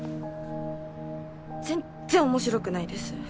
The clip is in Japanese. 全っ然面白くないです。